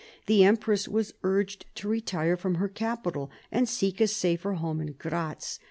The empress was urged to retire from her capital and seek a safer home in Gratz.